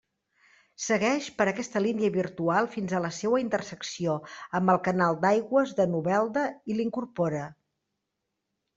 Segueix per aquesta línia virtual fins a la seua intersecció amb el canal d'aigües de Novelda, i l'incorpora.